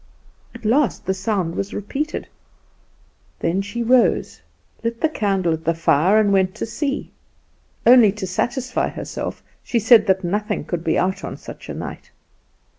At last the sound was repeated. Then she rose, lit the candle and the fire, and went to see. Only to satisfy herself, she said, that nothing could be out on such a night.